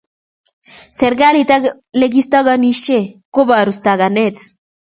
serikalit ak lekistakanishe koporie stakanet